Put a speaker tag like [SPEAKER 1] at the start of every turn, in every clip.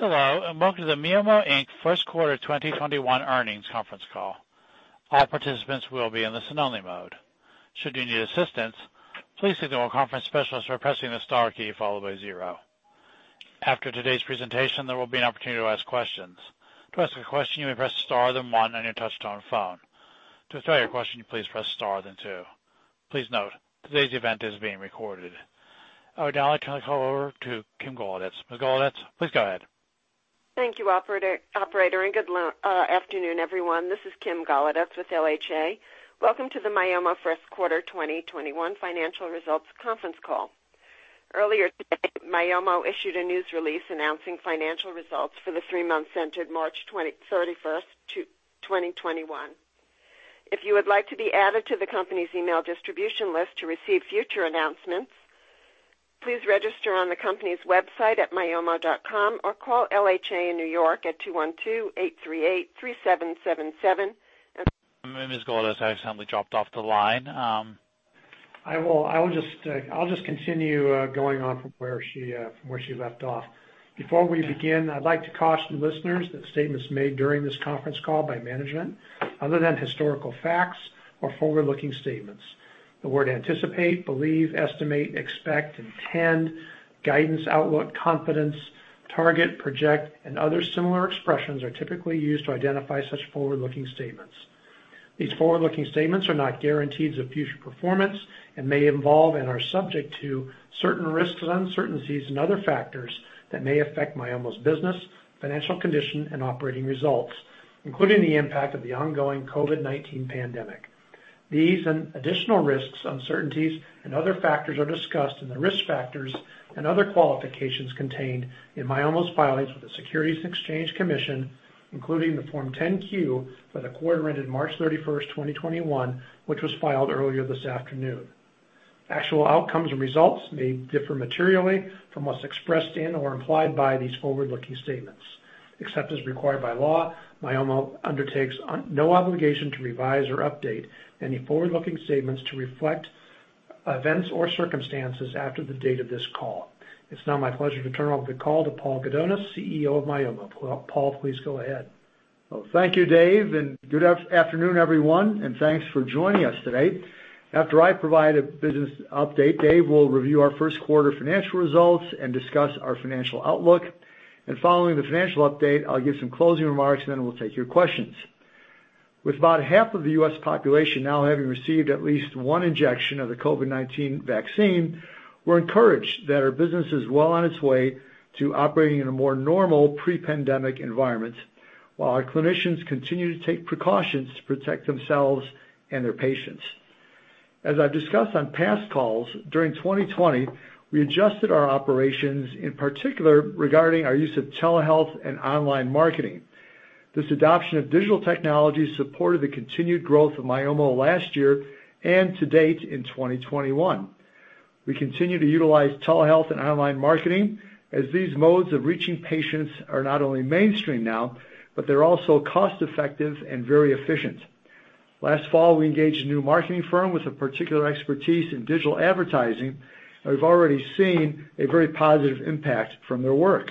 [SPEAKER 1] Hello, and welcome to the Myomo, Inc. First Quarter 2021 earnings conference call. I would now like to call over to Kim Golodetz. Ms. Golodetz, please go ahead.
[SPEAKER 2] Thank you, operator. Good afternoon, everyone. This is Kim Golodetz with LHA. Welcome to the Myomo first quarter 2021 financial results conference call. Earlier today, Myomo issued a news release announcing financial results for the three months ended March 31st, 2021. If you would like to be added to the company's email distribution list to receive future announcements, please register on the company's website at myomo.com or call LHA in New York at 212-838-3777.
[SPEAKER 1] Ms. Golodetz has suddenly dropped off the line.
[SPEAKER 3] I'll just continue going on from where she left off. Before we begin, I'd like to caution listeners that statements made during this conference call by management other than historical facts or forward-looking statements. The word anticipate, believe, estimate, expect, intend, guidance, outlook, confidence, target, project, and other similar expressions are typically used to identify such forward-looking statements. These forward-looking statements are not guarantees of future performance and may involve and are subject to certain risks and uncertainties and other factors that may affect Myomo's business, financial condition and operating results, including the impact of the ongoing COVID-19 pandemic. These and additional risks, uncertainties, and other factors are discussed in the risk factors and other qualifications contained in Myomo's filings with the Securities and Exchange Commission, including the Form 10-Q for the quarter ended March 31st, 2021, which was filed earlier this afternoon. Actual outcomes and results may differ materially from what's expressed in or implied by these forward-looking statements. Except as required by law, Myomo undertakes no obligation to revise or update any forward-looking statements to reflect events or circumstances after the date of this call. It's now my pleasure to turn over the call to Paul Gudonis, CEO of Myomo. Paul, please go ahead.
[SPEAKER 4] Well, thank you, Dave, and good afternoon, everyone, and thanks for joining us today. After I provide a business update, Dave will review our first quarter financial results and discuss our financial outlook. Following the financial update, I'll give some closing remarks, and then we'll take your questions. With about half of the U.S. population now having received at least one injection of the COVID-19 vaccine, we're encouraged that our business is well on its way to operating in a more normal pre-pandemic environment while our clinicians continue to take precautions to protect themselves and their patients. As I've discussed on past calls, during 2020, we adjusted our operations, in particular regarding our use of telehealth and online marketing. This adoption of digital technology supported the continued growth of Myomo last year and to date in 2021. We continue to utilize telehealth and online marketing as these modes of reaching patients are not only mainstream now, but they're also cost-effective and very efficient. Last fall, we engaged a new marketing firm with a particular expertise in digital advertising, and we've already seen a very positive impact from their work.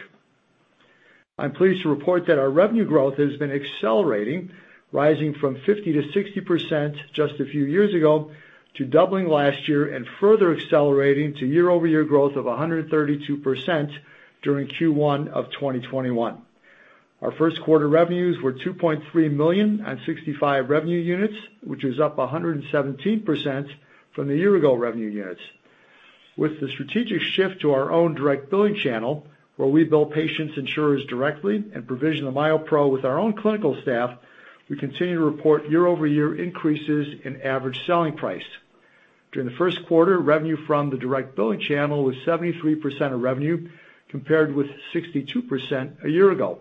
[SPEAKER 4] I'm pleased to report that our revenue growth has been accelerating, rising from 50%-60% just a few years ago to doubling last year and further accelerating to year-over-year growth of 132% during Q1 of 2021. Our first quarter revenues were $2.3 million on 65 revenue units, which is up 117% from the year-ago revenue units. With the strategic shift to our own direct billing channel, where we bill patients' insurers directly and provision the MyoPro with our own clinical staff, we continue to report year-over-year increases in average selling price. During the first quarter, revenue from the direct billing channel was 73% of revenue, compared with 62% a year ago.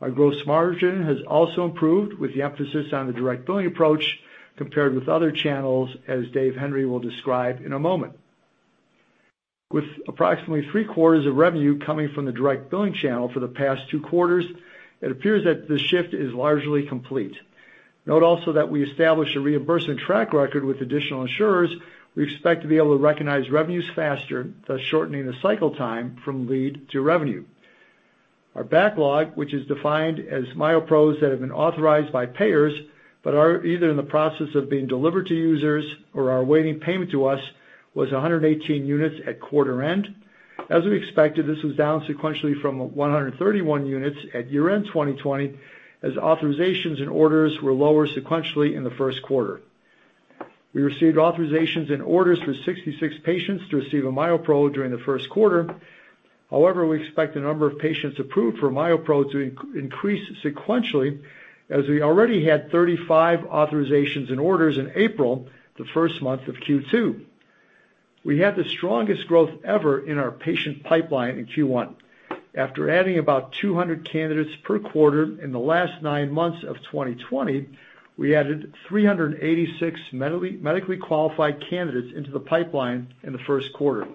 [SPEAKER 4] Our gross margin has also improved with the emphasis on the direct billing approach compared with other channels, as Dave Henry will describe in a moment. With approximately three-quarters of revenue coming from the direct billing channel for the past two quarters, it appears that the shift is largely complete. Note also that we established a reimbursement track record with additional insurers. We expect to be able to recognize revenues faster, thus shortening the cycle time from lead to revenue. Our backlog, which is defined as MyoPro that have been authorized by payers but are either in the process of being delivered to users or are awaiting payment to us, was 118 units at quarter end. As we expected, this was down sequentially from 131 units at year-end 2020, as authorizations and orders were lower sequentially in the first quarter. We received authorizations and orders for 66 patients to receive a MyoPro during the first quarter. However, we expect the number of patients approved for MyoPro to increase sequentially, as we already had 35 authorizations and orders in April, the first month of Q2. We had the strongest growth ever in our patient pipeline in Q1. After adding about 200 candidates per quarter in the last nine months of 2020, we added 386 medically qualified candidates into the pipeline in the first quarter.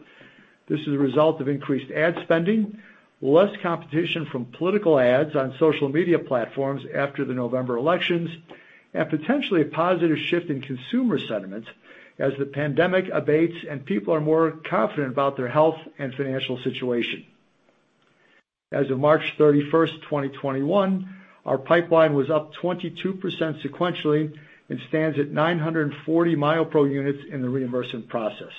[SPEAKER 4] This is a result of increased ad spending, less competition from political ads on social media platforms after the November elections. Potentially a positive shift in consumer sentiments as the pandemic abates and people are more confident about their health and financial situation. As of March 31st, 2021, our pipeline was up 22% sequentially and stands at 940 MyoPro units in the reimbursement process.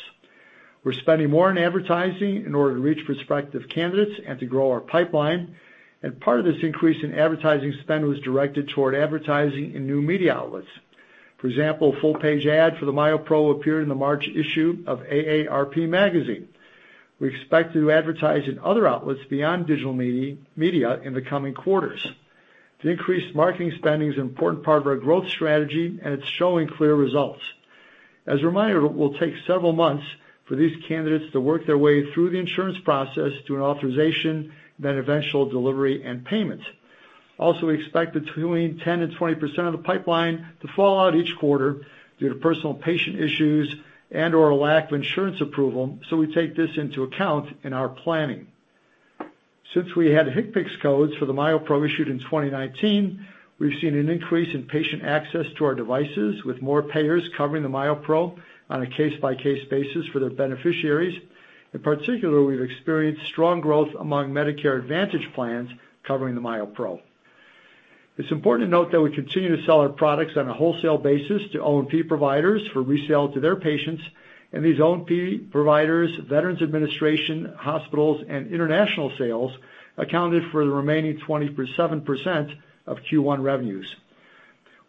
[SPEAKER 4] We're spending more on advertising in order to reach prospective candidates and to grow our pipeline, and part of this increase in advertising spend was directed toward advertising in new media outlets. For example, a full-page ad for the MyoPro appeared in the March issue of AARP magazine. We expect to advertise in other outlets beyond digital media in the coming quarters. The increased marketing spending is an important part of our growth strategy, and it's showing clear results. As a reminder, it will take several months for these candidates to work their way through the insurance process to an authorization, then eventual delivery and payment. Also, we expect between 10% and 20% of the pipeline to fall out each quarter due to personal patient issues and/or a lack of insurance approval, so we take this into account in our planning. We had HCPCS codes for the MyoPro issued in 2019, we've seen an increase in patient access to our devices, with more payers covering the MyoPro on a case-by-case basis for their beneficiaries. In particular, we've experienced strong growth among Medicare Advantage plans covering the MyoPro. It's important to note that we continue to sell our products on a wholesale basis to O&P providers for resale to their patients, and these O&P providers, Veterans Administration, hospitals, and international sales accounted for the remaining 27% of Q1 revenues.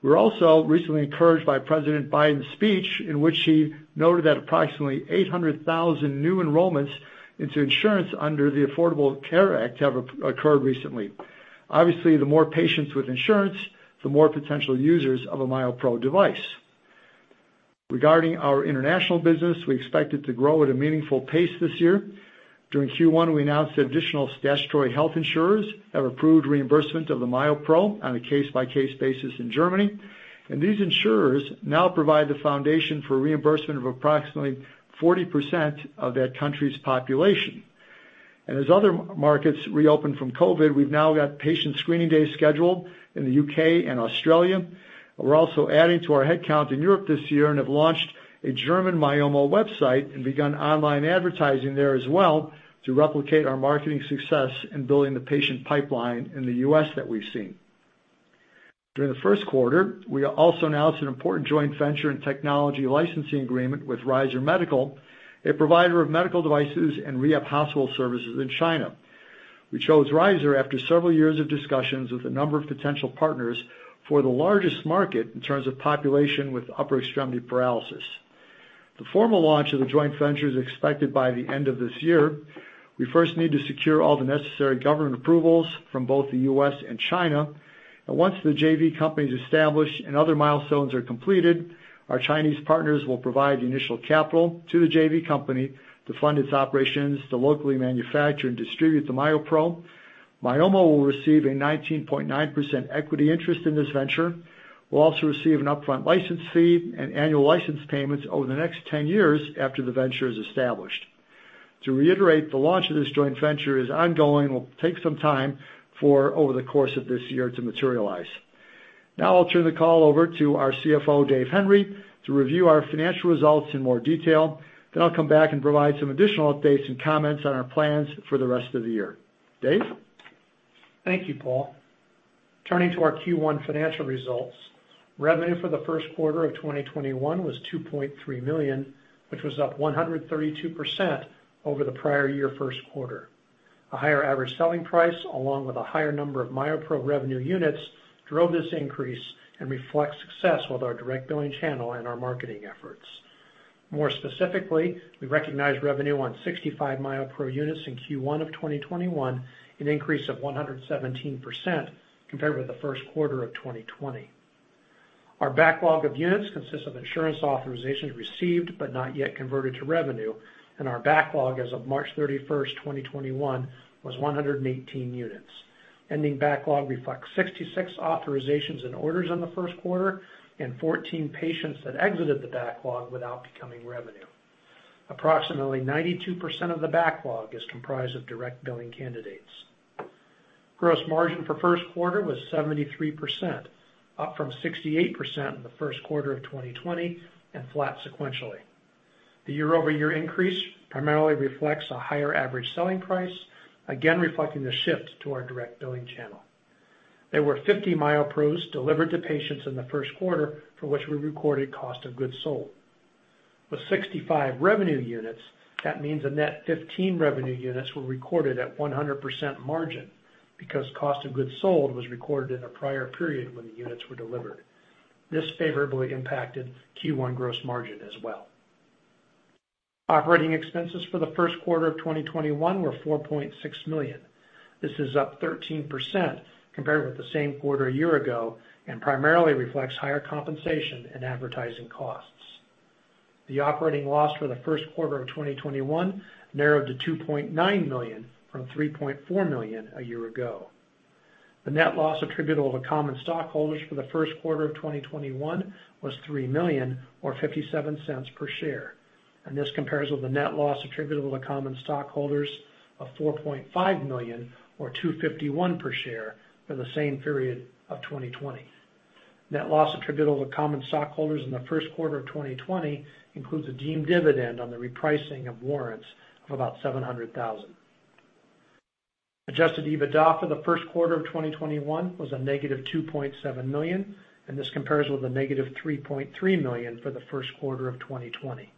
[SPEAKER 4] We were also recently encouraged by President Biden's speech, in which he noted that approximately 800,000 new enrollments into insurance under the Affordable Care Act have occurred recently. Obviously, the more patients with insurance, the more potential users of a MyoPro device. Regarding our international business, we expect it to grow at a meaningful pace this year. During Q1, we announced that additional statutory health insurers have approved reimbursement of the MyoPro on a case-by-case basis in Germany. These insurers now provide the foundation for reimbursement of approximately 40% of that country's population. As other markets reopen from COVID, we've now got patient screening days scheduled in the U.K. and Australia. We're also adding to our headcount in Europe this year and have launched a German Myomo website and begun online advertising there as well to replicate our marketing success in building the patient pipeline in the U.S. that we've seen. During the first quarter, we also announced an important joint venture and technology licensing agreement with Ryzur Medical, a provider of medical devices and rehab hospital services in China. We chose Ryzur after several years of discussions with a number of potential partners for the largest market in terms of population with upper extremity paralysis. The formal launch of the joint venture is expected by the end of this year. We first need to secure all the necessary government approvals from both the U.S. and China. Once the JV company is established and other milestones are completed, our Chinese partners will provide the initial capital to the JV company to fund its operations to locally manufacture and distribute the MyoPro. Myomo will receive a 19.9% equity interest in this venture. We'll also receive an upfront license fee and annual license payments over the next 10 years after the venture is established. To reiterate, the launch of this joint venture is ongoing, and will take some time for over the course of this year to materialize. Now I'll turn the call over to our CFO, Dave Henry, to review our financial results in more detail. I'll come back and provide some additional updates and comments on our plans for the rest of the year. Dave?
[SPEAKER 3] Thank you, Paul. Turning to our Q1 financial results. Revenue for the first quarter of 2021 was $2.3 million, which was up 132% over the prior year's first quarter. A higher average selling price, along with a higher number of MyoPro revenue units, drove this increase and reflects success with our direct billing channel and our marketing efforts. More specifically, we recognized revenue on 65 MyoPro units in Q1 of 2021, an increase of 117% compared with the first quarter of 2020. Our backlog of units consists of insurance authorizations received but not yet converted to revenue, and our backlog as of March 31st, 2021 was 118 units. Ending backlog reflects 66 authorizations and orders in the first quarter and 14 patients that exited the backlog without becoming revenue. Approximately 92% of the backlog is comprised of direct billing candidates. Gross margin for the first quarter was 73%, up from 68% in the first quarter of 2020 and flat sequentially. The year-over-year increase primarily reflects a higher average selling price, again reflecting the shift to our direct billing channel. There were 50 MyoPro delivered to patients in the first quarter, for which we recorded cost of goods sold. With 65 revenue units, that means a net 15 revenue units were recorded at 100% margin because cost of goods sold was recorded in a prior period when the units were delivered. This favorably impacted Q1 gross margin as well. Operating expenses for the first quarter of 2021 were $4.6 million. This is up 13% compared with the same quarter a year ago and primarily reflects higher compensation and advertising costs. The operating loss for the first quarter of 2021 narrowed to $2.9 million from $3.4 million a year ago. The net loss attributable to common stockholders for the first quarter of 2021 was $3 million or $0.57 per share. This compares with the net loss attributable to common stockholders of $4.5 million or $2.51 per share for the same period of 2020. Net loss attributable to common stockholders in the first quarter of 2020 includes a deemed dividend on the repricing of warrants of about $700,000. Adjusted EBITDA for the first quarter of 2021 was a -$2.7 million, this compares with a -$3.3 million for the first quarter of 2020.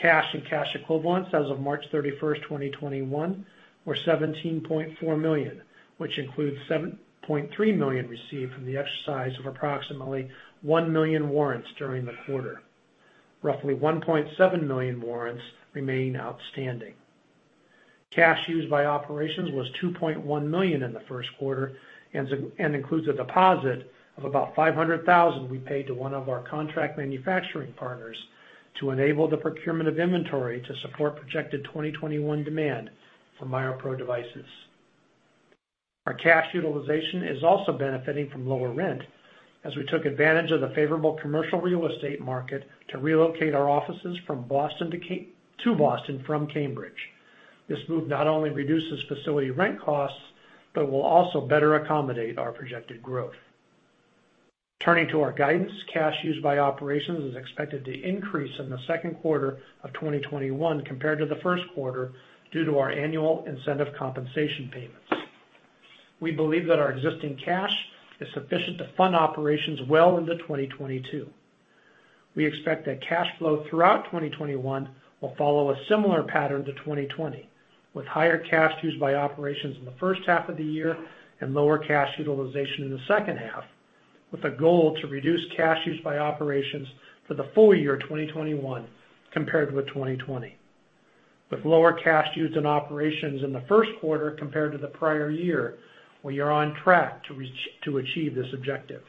[SPEAKER 3] Cash and cash equivalents as of March 31st, 2021, were $17.4 million, which includes $7.3 million received from the exercise of approximately 1 million warrants during the quarter. Roughly 1.7 million warrants remain outstanding. Cash used by operations was $2.1 million in the first quarter and includes a deposit of about $500,000 we paid to one of our contract manufacturing partners to enable the procurement of inventory to support projected 2021 demand for MyoPro devices. Our cash utilization is also benefiting from lower rent as we took advantage of the favorable commercial real estate market to relocate our offices to Boston from Cambridge. This move not only reduces facility rent costs but will also better accommodate our projected growth. Turning to our guidance, cash used by operations is expected to increase in the second quarter of 2021 compared to the first quarter due to our annual incentive compensation payments. We believe that our existing cash is sufficient to fund operations well into 2022. We expect that cash flow throughout 2021 will follow a similar pattern to 2020, with higher cash used by operations in the first half of the year and lower cash utilization in the second half, with a goal to reduce cash used by operations for the full year 2021 compared with 2020. With lower cash used in operations in the first quarter compared to the prior year, we are on track to achieve this objective.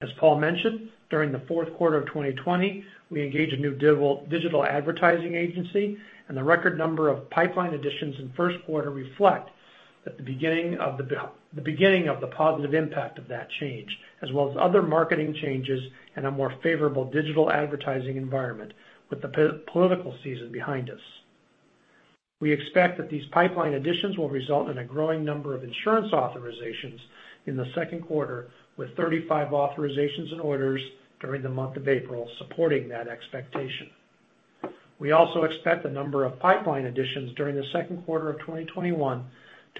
[SPEAKER 3] As Paul mentioned, during the fourth quarter of 2020, we engaged a new digital advertising agency, and the record number of pipeline additions in first quarter reflects the beginning of the positive impact of that change, as well as other marketing changes and a more favorable digital advertising environment with the political season behind us. We expect that these pipeline additions will result in a growing number of insurance authorizations in the second quarter, with 35 authorizations and orders during the month of April supporting that expectation. We also expect the number of pipeline additions during the second quarter of 2021 to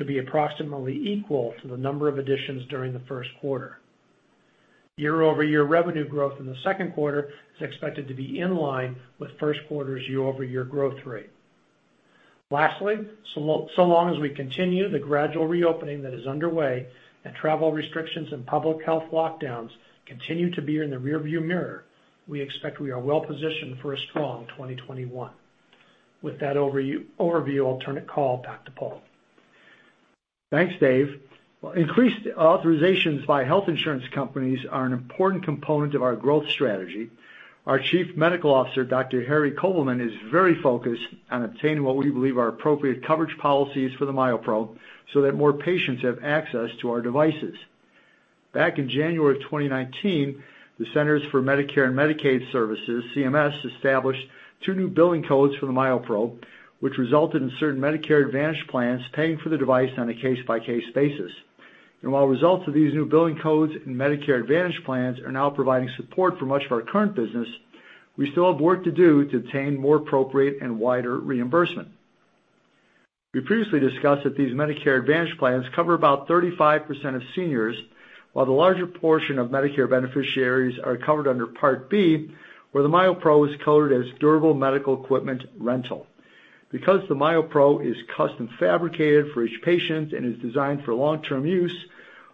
[SPEAKER 3] be approximately equal to the number of additions during the first quarter. Year-over-year revenue growth in the second quarter is expected to be in line with first quarter's year-over-year growth rate. Lastly, so long as we continue the gradual reopening that is underway and travel restrictions and public health lockdowns continue to be in the rear view mirror, we expect we are well positioned for a strong 2021. With that overview, I'll turn the call back to Paul.
[SPEAKER 4] Thanks, Dave. Increased authorizations by health insurance companies are an important component of our growth strategy. Our Chief Medical Officer, Dr. Harry Kovelman, is very focused on obtaining what we believe are appropriate coverage policies for the MyoPro so that more patients have access to our devices. Back in January of 2019, the Centers for Medicare & Medicaid Services, CMS, established two new billing codes for the MyoPro, which resulted in certain Medicare Advantage plans paying for the device on a case-by-case basis. While results of these new billing codes and Medicare Advantage plans are now providing support for much of our current business, we still have work to do to obtain more appropriate and wider reimbursement. We previously discussed that these Medicare Advantage plans cover about 35% of seniors, while the larger portion of Medicare beneficiaries are covered under Part B, where the MyoPro is coded as durable medical equipment rental. Because the MyoPro is custom fabricated for each patient and is designed for long-term use,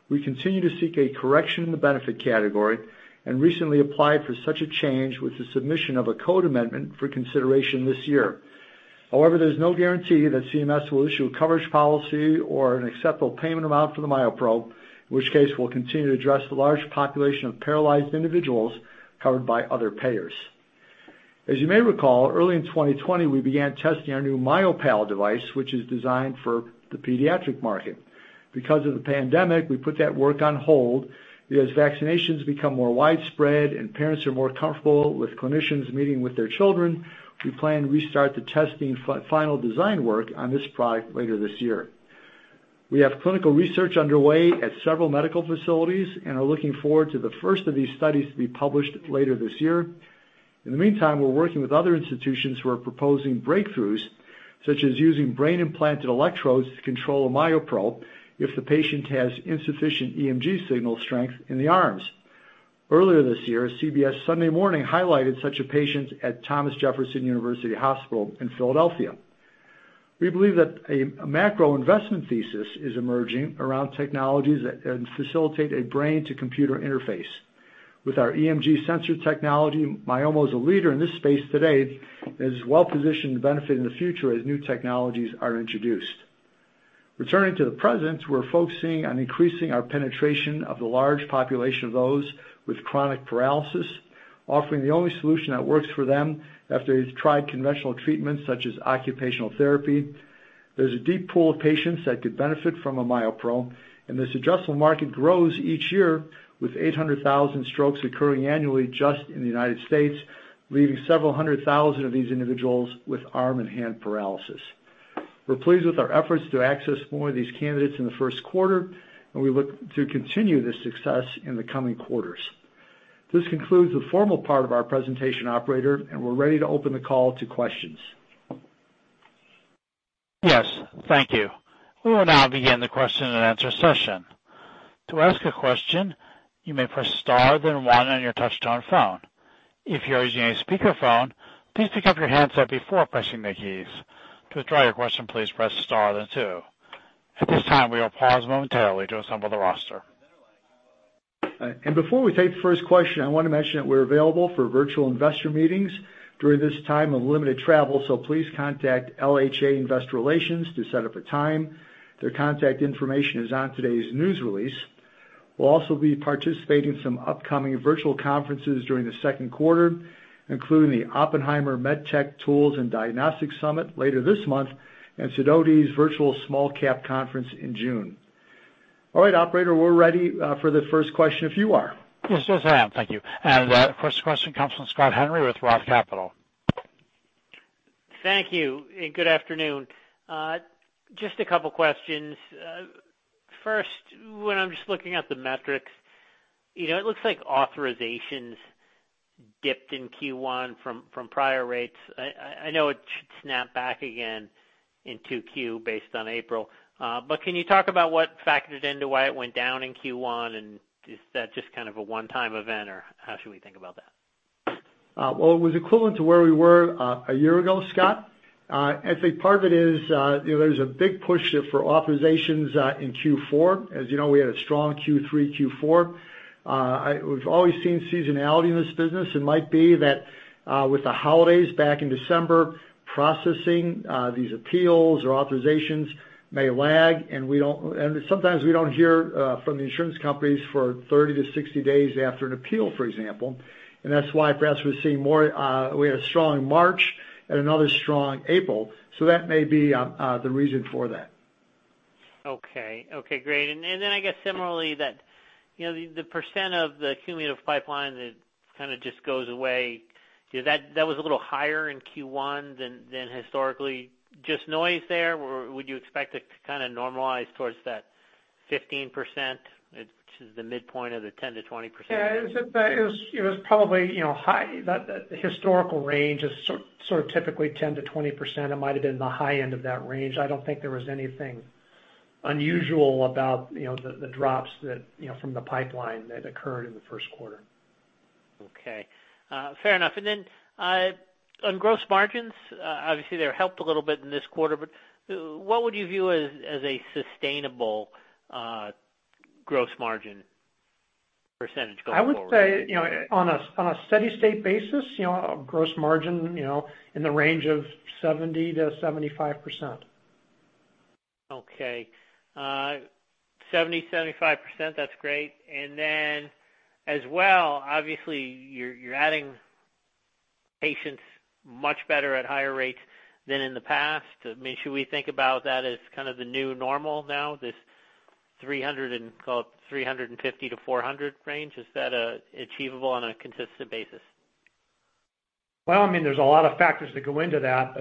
[SPEAKER 4] we continue to seek a correction in the benefit category and recently applied for such a change with the submission of a code amendment for consideration this year. There's no guarantee that CMS will issue a coverage policy or an acceptable payment amount for the MyoPro, in which case we'll continue to address the large population of paralyzed individuals covered by other payers. You may recall, early in 2020, we began testing our new MyoPal device, which is designed for the pediatric market. Because of the pandemic, we put that work on hold. As vaccinations become more widespread and parents are more comfortable with clinicians meeting with their children, we plan to restart the testing final design work on this product later this year. We have clinical research underway at several medical facilities and are looking forward to the first of these studies to be published later this year. In the meantime, we're working with other institutions who are proposing breakthroughs, such as using brain-implanted electrodes to control a MyoPro if the patient has insufficient EMG signal strength in the arms. Earlier this year, CBS Sunday Morning highlighted such a patient at Thomas Jefferson University Hospital in Philadelphia. We believe that a macro investment thesis is emerging around technologies that facilitate a brain-to-computer interface. With our EMG sensor technology, Myomo is a leader in this space today and is well positioned to benefit in the future as new technologies are introduced. Returning to the present, we're focusing on increasing our penetration of the large population of those with chronic paralysis, offering the only solution that works for them after they've tried conventional treatments such as occupational therapy. There's a deep pool of patients that could benefit from a MyoPro, and this addressable market grows each year with 800,000 strokes occurring annually just in the United States, leaving several hundred thousand of these individuals with arm and hand paralysis. We're pleased with our efforts to access more of these candidates in the first quarter, and we look to continue this success in the coming quarters. This concludes the formal part of our presentation, operator, and we're ready to open the call to questions.
[SPEAKER 1] Yes. Thank you. We will now begin the question-and-answer session. To ask a question, you may press star then one on your touch-tone phone. If you're using a speakerphone, please pick up your handset before pressing the keys. To withdraw your question, please press star then two. At this time, we will pause momentarily to assemble the roster.
[SPEAKER 4] Before we take the first question, I want to mention that we're available for virtual investor meetings during this time of limited travel, so please contact LHA Investor Relations to set up a time. Their contact information is on today's news release. We'll also be participating in some upcoming virtual conferences during the second quarter, including the Oppenheimer MedTech, Tools & Diagnostics Summit later this month and Sidoti Virtual Small-Cap Conference in June. Operator, we're ready for the first question if you are.
[SPEAKER 1] Yes. Yes, I am. Thank you. The first question comes from Scott Henry with Roth Capital.
[SPEAKER 5] Thank you. Good afternoon. Just a couple of questions. First, when I'm just looking at the metrics, it looks like authorizations dipped in Q1 from prior rates. I know it should snap back again in 2Q based on April. Can you talk about what factored into why it went down in Q1, and is that just kind of a one-time event, or how should we think about that?
[SPEAKER 4] It was equivalent to where we were a year ago, Scott. I'd say part of it is there's a big push for authorizations in Q4. As you know, we had a strong Q3, Q4. We've always seen seasonality in this business. It might be that with the holidays back in December, processing these appeals or authorizations may lag, and sometimes we don't hear from the insurance companies for 30-60 days after an appeal, for example, and that's why perhaps we're seeing more. We had a strong March and another strong April, so that may be the reason for that.
[SPEAKER 5] Okay. Great. I guess similarly that the percent of the cumulative pipeline that kind of just goes away, that was a little higher in Q1 than historically. Just noise there, or would you expect it to kind of normalize towards that 15%, which is the midpoint of the 10%-20%?
[SPEAKER 3] It was probably high. That historical range is sort of typically 10%-20%. It might've been the high end of that range. I don't think there was anything unusual about the drops from the pipeline that occurred in the first quarter.
[SPEAKER 5] Okay. Fair enough. On gross margins, obviously, they're helped a little bit in this quarter, what would you view as a sustainable gross margin percentage going forward?
[SPEAKER 3] I would say, on a steady state basis, gross margin in the range of 70%-75%.
[SPEAKER 5] Okay. 70%, 75%, that's great. As well, obviously, you're adding patients much better at higher rates than in the past. I mean, should we think about that as kind of the new normal now, this 350-400 range? Is that achievable on a consistent basis?
[SPEAKER 3] Well, I mean, there's a lot of factors that go into that.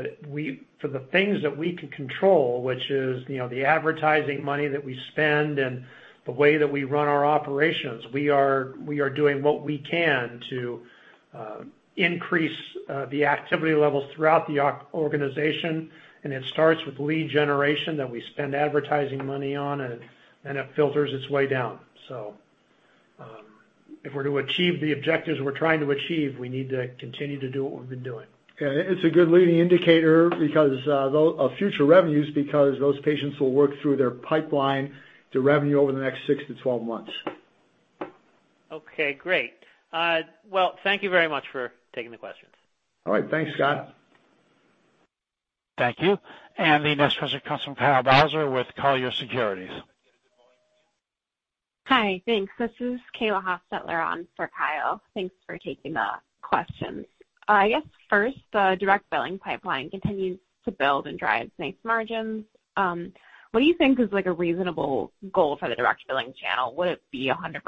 [SPEAKER 3] For the things that we can control, which is the advertising money that we spend and the way that we run our operations, we are doing what we can to increase the activity levels throughout the organization, and it starts with lead generation that we spend advertising money on, and then it filters its way down. If we're to achieve the objectives we're trying to achieve, we need to continue to do what we've been doing.
[SPEAKER 4] It's a good leading indicator of future revenues because those patients will work through their pipeline to revenue over the next 6-12 months.
[SPEAKER 5] Okay, great. Well, thank you very much for taking the questions.
[SPEAKER 4] All right. Thanks, Scott.
[SPEAKER 1] Thank you. The next question comes from Kyle Bauser with Colliers Securities.
[SPEAKER 6] Hi. Thanks. This is Kayla Hostetler on for Kyle. Thanks for taking the questions. I guess first, the direct billing pipeline continues to build and drive nice margins. What do you think is a reasonable goal for the direct billing channel? Would it be 100%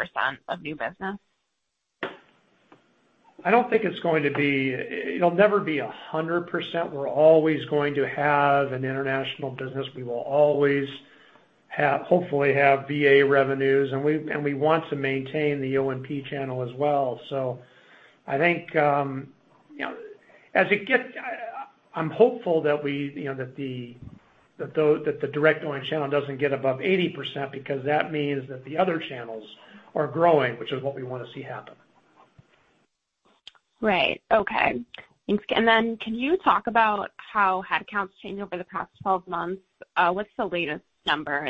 [SPEAKER 6] of new business?
[SPEAKER 3] It'll never be 100%. We're always going to have an international business. We will always hopefully have VA revenues, and we want to maintain the O&P channel as well. I'm hopeful that the direct billing channel doesn't get above 80%, because that means that the other channels are growing, which is what we want to see happen.
[SPEAKER 6] Right. Okay. Thanks. Can you talk about how headcounts changed over the past 12 months? What's the latest number?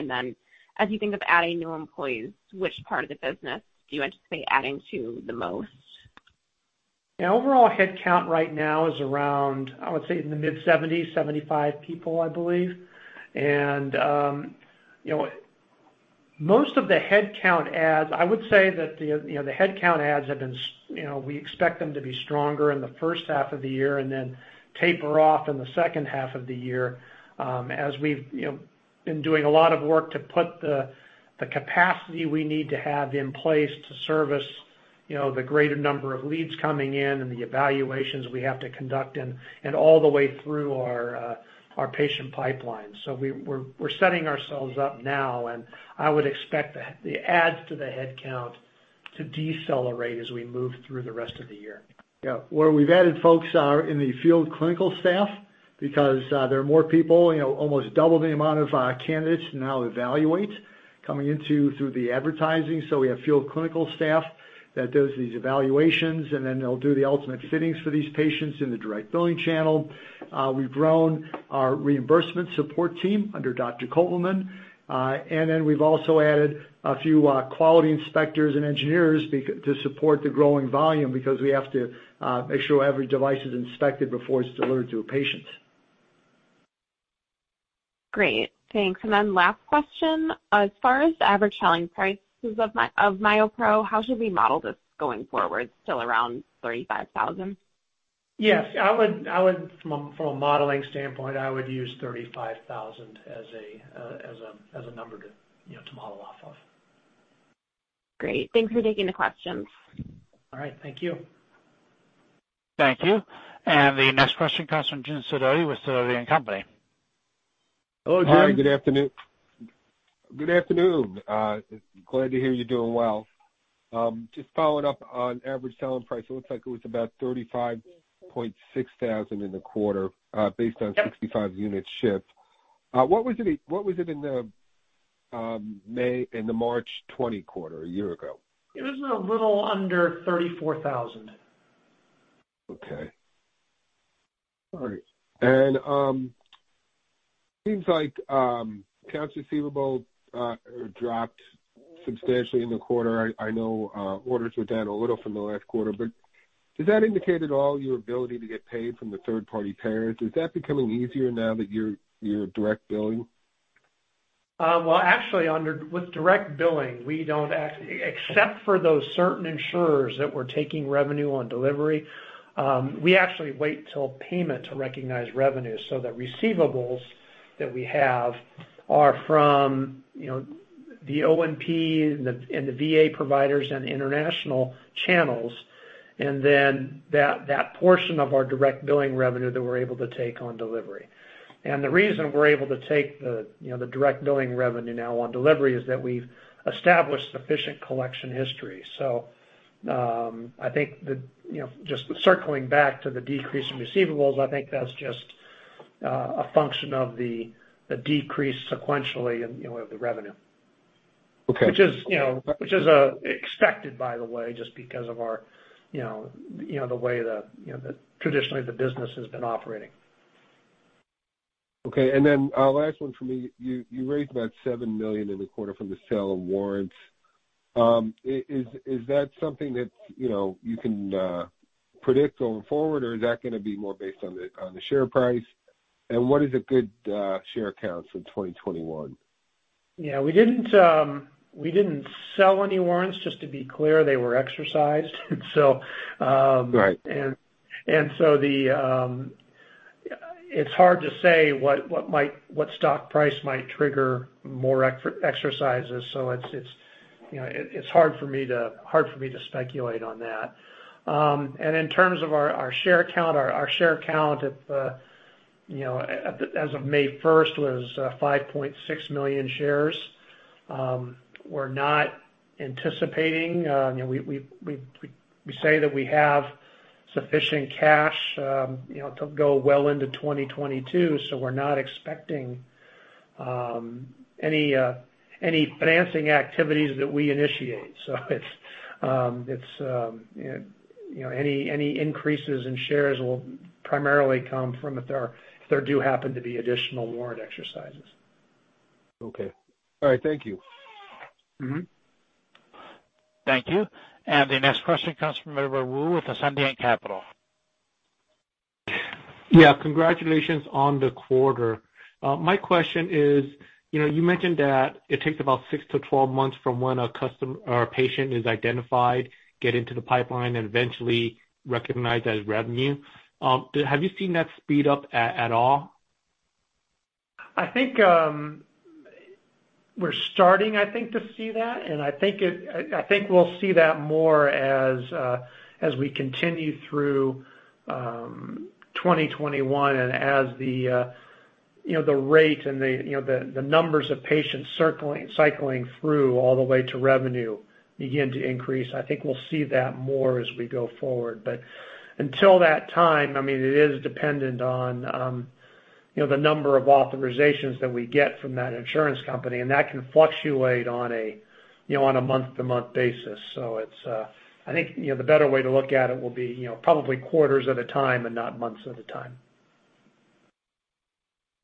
[SPEAKER 6] As you think of adding new employees, which part of the business do you anticipate adding to the most?
[SPEAKER 3] Yeah. Overall headcount right now is around, I would say, in the mid-70s, 75 people, I believe. Most of the headcount adds, I would say that we expect them to be stronger in the first half of the year and then taper off in the second half of the year, as we've been doing a lot of work to put the capacity we need to have in place to service the greater number of leads coming in and the evaluations we have to conduct, and all the way through our patient pipeline. We're setting ourselves up now, and I would expect the adds to the headcount to decelerate as we move through the rest of the year.
[SPEAKER 4] Where we've added folks are in the field clinical staff because there are more people, almost double the amount of candidates now evaluate coming into through the advertising. We have field clinical staff that does these evaluations, and then they'll do the ultimate fittings for these patients in the direct billing channel. We've grown our reimbursement support team under Dr. Kovelman. We've also added a few quality inspectors and engineers to support the growing volume because we have to make sure every device is inspected before it's delivered to a patient.
[SPEAKER 6] Great. Thanks. Last question. As far as average selling prices of MyoPro, how should we model this going forward, still around $35,000?
[SPEAKER 3] Yes. From a modeling standpoint, I would use $35,000 as a number to model off of.
[SPEAKER 6] Great, thanks for taking the questions.
[SPEAKER 3] All right. Thank you.
[SPEAKER 1] Thank you. The next question comes from Jim Sidoti with Sidoti & Company.
[SPEAKER 4] Hello, Jim.
[SPEAKER 7] Hi, good afternoon. Glad to hear you're doing well. Just following up on average selling price, it looks like it was about $35,600 in the quarter based on 65 units shipped. What was it in the March 2020 quarter a year ago?
[SPEAKER 3] It was a little under $34,000.
[SPEAKER 7] Okay. All right. It seems like accounts receivable dropped substantially in the quarter. I know orders were down a little from the last quarter, does that indicate at all your ability to get paid from the third-party payers? Is that becoming easier now that you're direct billing?
[SPEAKER 3] Well, actually, with direct billing, except for those certain insurers that we're taking revenue on delivery, we actually wait till payment to recognize revenue. The receivables that we have are from the O&P and the VA providers and international channels, and then that portion of our direct billing revenue that we're able to take on delivery. The reason we're able to take the direct billing revenue now on delivery is that we've established sufficient collection history. I think just circling back to the decrease in receivables, I think that's just a function of the decrease sequentially of the revenue.
[SPEAKER 7] Okay.
[SPEAKER 3] Which is expected, by the way, just because of the way that traditionally the business has been operating.
[SPEAKER 7] Okay. Last one from me. You raised about $7 million in the quarter from the sale of warrants. Is that something that you can predict going forward, or is that going to be more based on the share price? What is a good share count in 2021?
[SPEAKER 3] Yeah, we didn't sell any warrants, just to be clear. They were exercised.
[SPEAKER 7] Right.
[SPEAKER 3] It's hard to say what stock price might trigger more exercises. It's hard for me to speculate on that. In terms of our share count, our share count as of May 1st was 5.6 million shares. We say that we have sufficient cash to go well into 2022, so we're not expecting any financing activities that we initiate. Any increases in shares will primarily come from if there do happen to be additional warrant exercises.
[SPEAKER 7] Okay. All right. Thank you.
[SPEAKER 1] Thank you. The next question comes from Edward Woo with Ascendiant Capital.
[SPEAKER 8] Yeah. Congratulations on the quarter. My question is, you mentioned that it takes about 6-12 months from when a patient is identified, get into the pipeline, and eventually recognized as revenue. Have you seen that speed up at all?
[SPEAKER 3] I think we're starting to see that, and I think we'll see that more as we continue through 2021 and as the rate and the numbers of patients cycling through all the way to revenue begin to increase. I think we'll see that more as we go forward. Until that time, it is dependent on the number of authorizations that we get from that insurance company, and that can fluctuate on a month-to-month basis. I think the better way to look at it will be probably quarters at a time and not months at a time.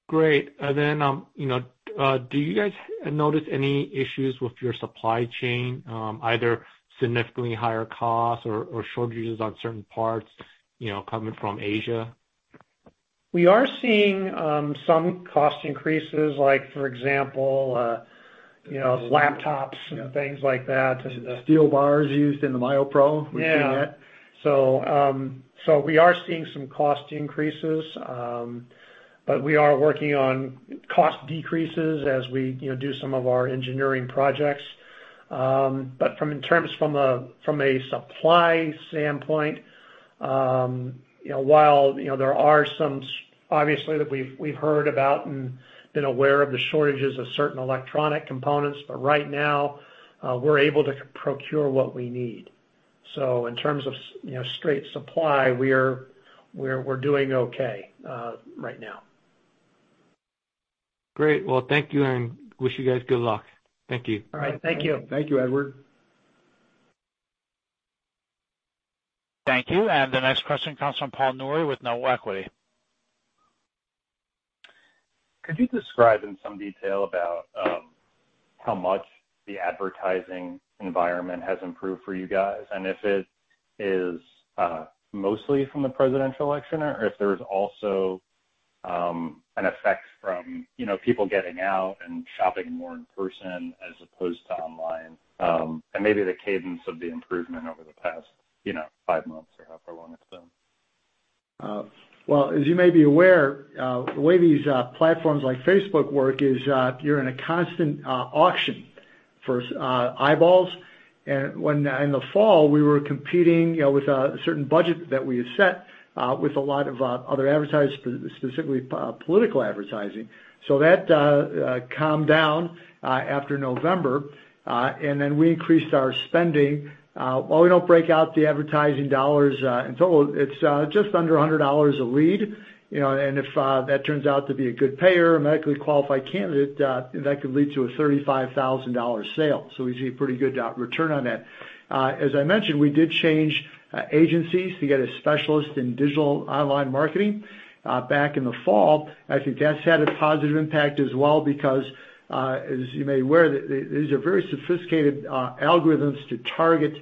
[SPEAKER 8] Great. Do you guys notice any issues with your supply chain, either significantly higher costs or shortages on certain parts coming from Asia?
[SPEAKER 3] We are seeing some cost increases like for example, laptops and things like that.
[SPEAKER 4] Steel bars used in the MyoPro. We've seen that.
[SPEAKER 3] Yeah. We are seeing some cost increases, but we are working on cost decreases as we do some of our engineering projects. In terms from a supply standpoint. While there are some, obviously, that we've heard about and been aware of the shortages of certain electronic components, but right now we're able to procure what we need. In terms of straight supply, we're doing okay right now.
[SPEAKER 8] Great. Well, thank you and wish you guys good luck. Thank you.
[SPEAKER 3] All right. Thank you.
[SPEAKER 4] Thank you, Edward.
[SPEAKER 1] Thank you. The next question comes from Paul Nouri with Noble Equity.
[SPEAKER 9] Could you describe in some detail about how much the advertising environment has improved for you guys, and if it is mostly from the presidential election or if there's also an effect from people getting out and shopping more in person as opposed to online, and maybe the cadence of the improvement over the past five months or however long it's been?
[SPEAKER 4] As you may be aware, the way these platforms like Facebook work is you're in a constant auction for eyeballs. In the fall, we were competing with a certain budget that we had set with a lot of other advertisers, specifically political advertising. That calmed down after November. We increased our spending. While we don't break out the advertising dollars in total, it's just under $100 a lead. If that turns out to be a good payer, a medically qualified candidate, that could lead to a $35,000 sale. We see a pretty good return on that. As I mentioned, we did change agencies to get a specialist in digital online marketing back in the fall. I think that's had a positive impact as well because, as you may be aware, these are very sophisticated algorithms to target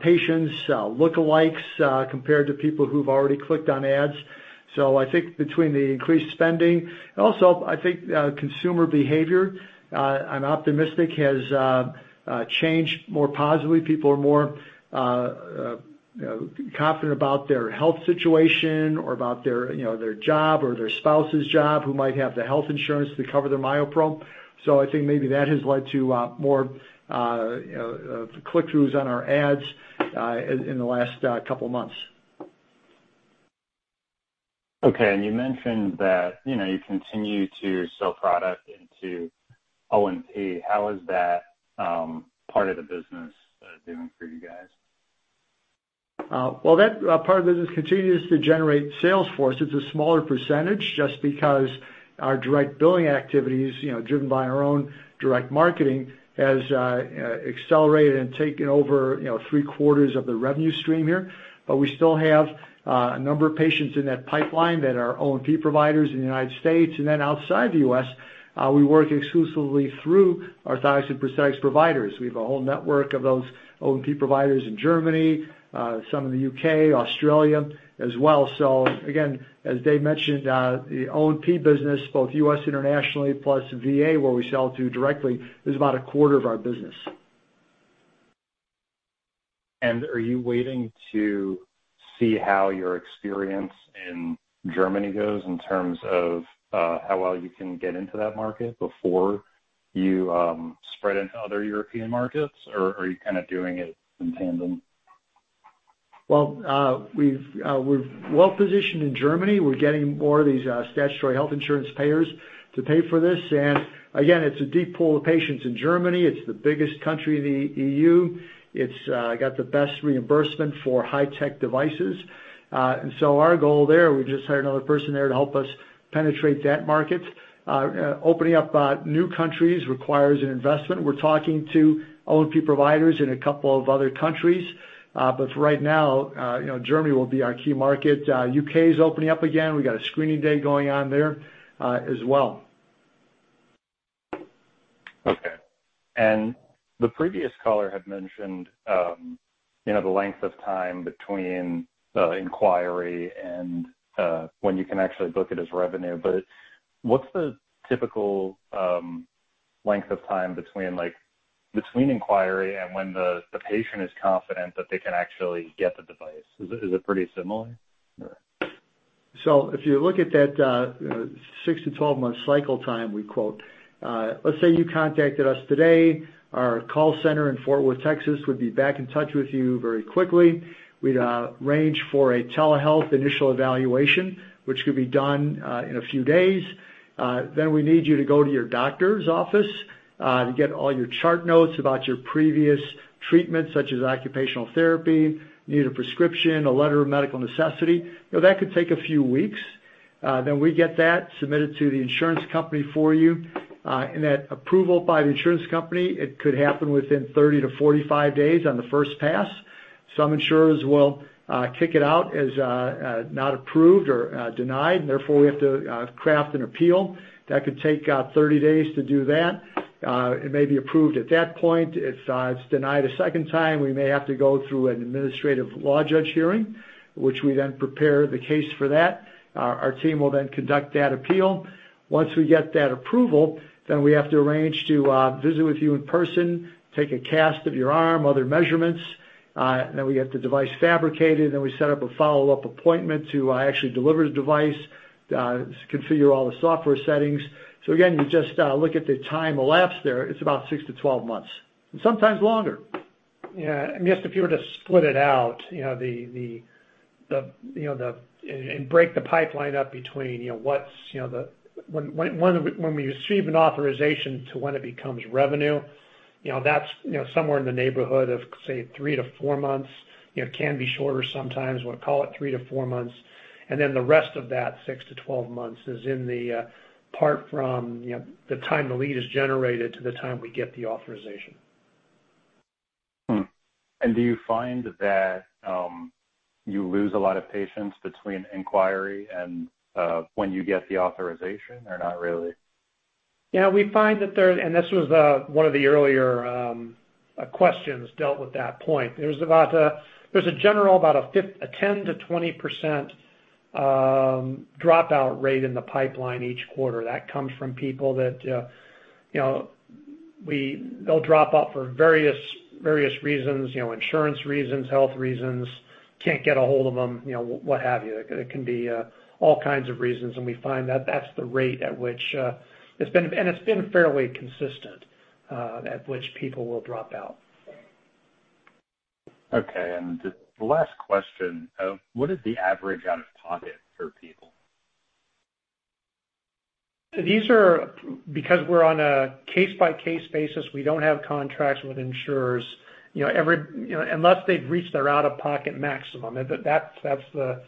[SPEAKER 4] patients, lookalikes, compared to people who've already clicked on ads. I think between the increased spending and also, I think consumer behavior, I'm optimistic, has changed more positively. People are more confident about their health situation or about their job or their spouse's job, who might have the health insurance to cover their MyoPro. I think maybe that has led to more click-throughs on our ads in the last couple of months.
[SPEAKER 9] Okay. You mentioned that you continue to sell product into O&P. How is that part of the business doing for you guys?
[SPEAKER 4] Well, that part of the business continues to generate sales for us. It's a smaller percentage just because our direct billing activities, driven by our own direct marketing, has accelerated and taken over three-quarters of the revenue stream here. We still have a number of patients in that pipeline that are O&P providers in the United States and then outside the U.S., we work exclusively through orthotics and prosthetics providers. We have a whole network of those O&P providers in Germany, some in the U.K., Australia as well. Again, as Dave mentioned, the O&P business, both U.S. internationally plus VA, where we sell to directly, is about a quarter of our business.
[SPEAKER 9] Are you waiting to see how your experience in Germany goes in terms of how well you can get into that market before you spread into other European markets, or are you kind of doing it in tandem?
[SPEAKER 4] Well, we're well-positioned in Germany. We're getting more of these statutory health insurance payers to pay for this. Again, it's a deep pool of patients in Germany. It's the biggest country in the EU. It's got the best reimbursement for high-tech devices. Our goal there, we just hired another person there to help us penetrate that market. Opening up new countries requires an investment. We're talking to O&P providers in a couple of other countries. For right now, Germany will be our key market. U.K. is opening up again. We've got a screening day going on there as well.
[SPEAKER 9] Okay. The previous caller had mentioned the length of time between inquiry and when you can actually book it as revenue. What's the typical length of time between inquiry and when the patient is confident that they can actually get the device? Is it pretty similar?
[SPEAKER 4] If you look at that 6-12-month cycle time we quote, let's say you contacted us today. Our call center in Fort Worth, Texas, would be back in touch with you very quickly. We'd arrange for a telehealth initial evaluation, which could be done in a few days. We need you to go to your doctor's office to get all your chart notes about your previous treatments, such as occupational therapy, need a prescription, a letter of medical necessity. That could take a few weeks. We get that submitted to the insurance company for you. That approval by the insurance company, it could happen within 30-45 days on the first pass. Some insurers will kick it out as not approved or denied, and therefore, we have to craft an appeal. That could take 30 days to do that. It may be approved at that point. If it's denied a second time, we may have to go through an administrative law judge hearing, which we then prepare the case for that. Our team will conduct that appeal. Once we get that approval, we have to arrange to visit with you in person, take a cast of your arm, other measurements. We get the device fabricated, then we set up a follow-up appointment to actually deliver the device, configure all the software settings. Again, you just look at the time elapsed there, it's about 6-12 months, and sometimes longer.
[SPEAKER 3] Yeah. Yes, if you were to split it out and break the pipeline up between when we receive an authorization to when it becomes revenue, that's somewhere in the neighborhood of, say, three to four months. It can be shorter sometimes. We'll call it three to four months. Then the rest of that 6-12 months is in the part from the time the lead is generated to the time we get the authorization.
[SPEAKER 9] Hmm. Do you find that you lose a lot of patients between inquiry and when you get the authorization, or not really?
[SPEAKER 3] Yeah, this was one of the earlier questions dealt with that point. There's a general, about a 10%-20% dropout rate in the pipeline each quarter. That comes from people that they'll drop out for various reasons, insurance reasons, health reasons, can't get a hold of them, what have you. It can be all kinds of reasons. We find that that's the rate at which, and it's been fairly consistent, at which people will drop out.
[SPEAKER 9] Okay, the last question. What is the average out-of-pocket for people?
[SPEAKER 3] Because we're on a case-by-case basis, we don't have contracts with insurers. Unless they've reached their out-of-pocket maximum, that's the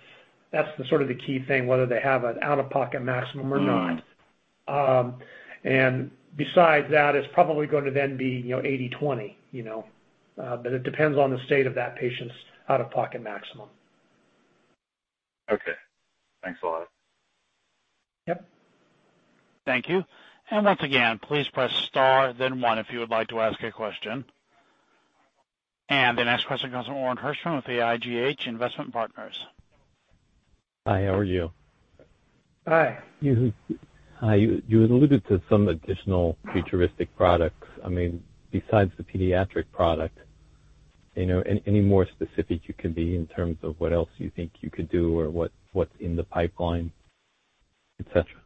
[SPEAKER 3] sort of the key thing, whether they have an out-of-pocket maximum or not. Besides that, it's probably going to then be 80/20. It depends on the state of that patient's out-of-pocket maximum.
[SPEAKER 9] Okay. Thanks a lot.
[SPEAKER 3] Yep.
[SPEAKER 1] Thank you. Once again, please press star then one if you would like to ask a question. The next question comes from Orin Hirschman with AIGH Investment Partners.
[SPEAKER 10] Hi, how are you?
[SPEAKER 4] Hi.
[SPEAKER 10] Hi. You alluded to some additional futuristic products. Besides the pediatric product, any more specific you can be in terms of what else you think you could do or what's in the pipeline, et cetera?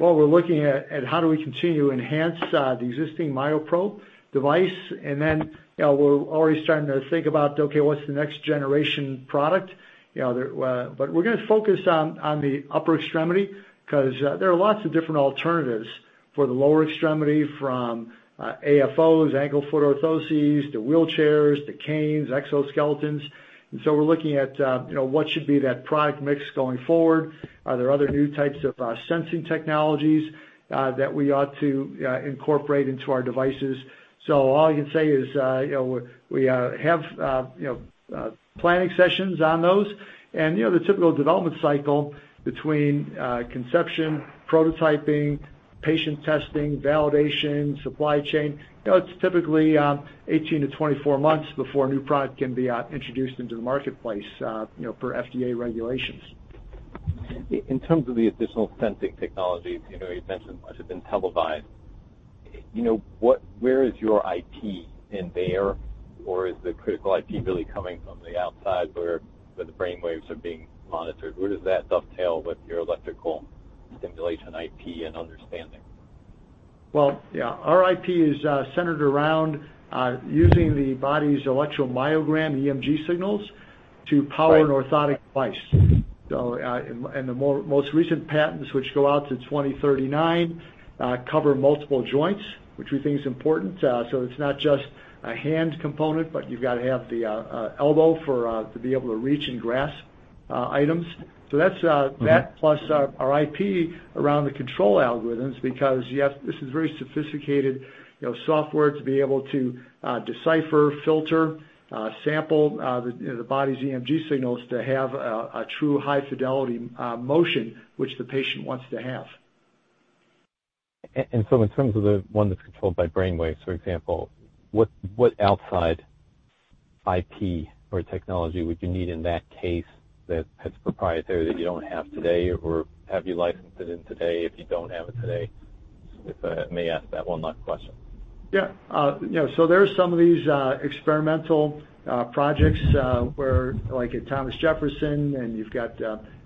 [SPEAKER 4] We're looking at how do we continue to enhance the existing MyoPro device, we're already starting to think about, okay, what's the next generation product? We're going to focus on the upper extremity because there are lots of different alternatives for the lower extremity, from AFOs, ankle-foot orthoses, to wheelchairs, to canes, exoskeletons. We're looking at what should be that product mix going forward. Are there other new types of sensing technologies that we ought to incorporate into our devices? All I can say is we have planning sessions on those. The typical development cycle between conception, prototyping, patient testing, validation, supply chain, it's typically 18-24 months before a new product can be introduced into the marketplace per FDA regulations.
[SPEAKER 10] In terms of the additional sensing technologies, you've mentioned much of [intelivine. Where is your IP in there, or is the critical IP really coming from the outside where the brainwaves are being monitored? Where does that dovetail with your electrical stimulation IP and understanding?
[SPEAKER 4] Well, yeah. Our IP is centered around using the body's electromyogram, EMG signals to power.
[SPEAKER 10] Right
[SPEAKER 4] An orthotic device. The most recent patents, which go out to 2039, cover multiple joints, which we think is important. It's not just a hand component, but you've got to have the elbow to be able to reach and grasp items. That plus our IP around the control algorithms because you have this very sophisticated software to be able to decipher, filter, sample the body's EMG signals to have a true high-fidelity motion which the patient wants to have.
[SPEAKER 10] In terms of the one that's controlled by brainwaves, for example, what outside IP or technology would you need in that case that's proprietary that you don't have today? Or have you licensed it in today if you don't have it today? If I may ask that one last question.
[SPEAKER 4] Yeah. There are some of these experimental projects, where like at Thomas Jefferson and you've got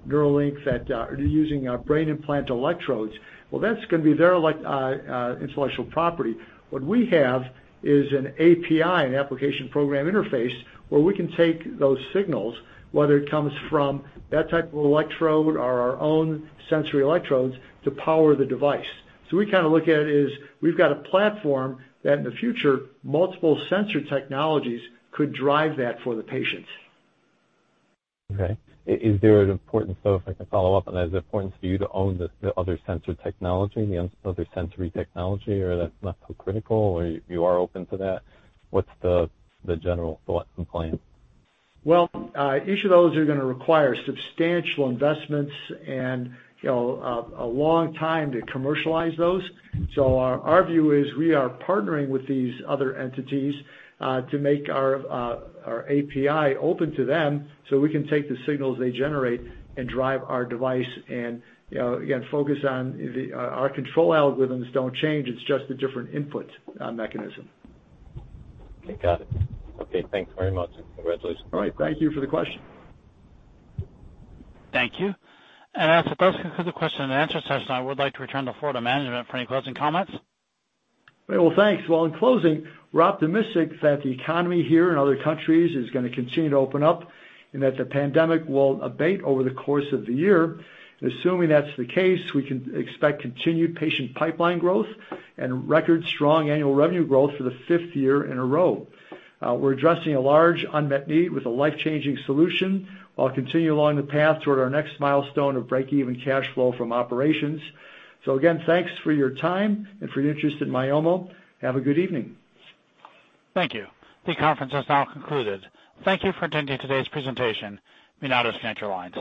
[SPEAKER 4] Neuralink that are using brain implant electrodes. Well, that's going to be their intellectual property. What we have is an API, an application program interface, where we can take those signals, whether it comes from that type of electrode or our own sensory electrodes, to power the device. We kind of look at it as we've got a platform that in the future, multiple sensor technologies could drive that for the patients.
[SPEAKER 10] Okay. Is there an importance, though, if I can follow up on that, is it important for you to own the other sensor technology, the other sensory technology, or that's not so critical, or you are open to that? What's the general thought and plan?
[SPEAKER 4] Well, each of those are going to require substantial investments and a long time to commercialize those. Our view is we are partnering with these other entities to make our API open to them so we can take the signals they generate and drive our device and again, focus on our control algorithms don't change, it's just a different input mechanism.
[SPEAKER 10] Okay, got it. Okay, thanks very much, and congratulations.
[SPEAKER 4] All right. Thank you for the question.
[SPEAKER 1] Thank you. As that concludes the question-and-answer session, I would like to return the floor to management for any closing comments.
[SPEAKER 4] Well, thanks. In closing, we're optimistic that the economy here and other countries is going to continue to open up and that the pandemic will abate over the course of the year. Assuming that's the case, we can expect continued patient pipeline growth and record strong annual revenue growth for the fifth year in a row. We're addressing a large unmet need with a life-changing solution while continuing along the path toward our next milestone of breakeven cash flow from operations. Again, thanks for your time and for your interest in Myomo. Have a good evening.
[SPEAKER 1] Thank you. The conference has now concluded. Thank you for attending today's presentation. You may now disconnect your lines.